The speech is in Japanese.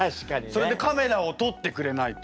それでカメラを撮ってくれないと。